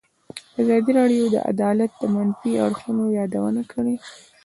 ازادي راډیو د عدالت د منفي اړخونو یادونه کړې.